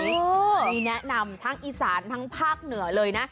มีแนะนำทั้งอีสานทั้งภาคเหนือเลยนะ